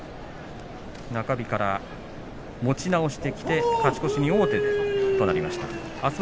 中日から持ち直してきて勝ち越しに王手です。